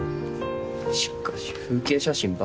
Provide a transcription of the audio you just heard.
しかし風景写真ばっか。